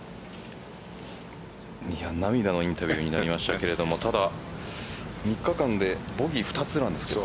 涙のインタビューになりましたけれどもただ、３日間でボギー２つなんですよ。